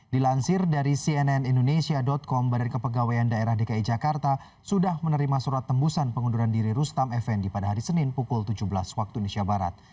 dilansir dari cnn indonesia com badan kepegawaian daerah dki jakarta sudah menerima surat tembusan pengunduran diri rustam effendi pada hari senin pukul tujuh belas waktu indonesia barat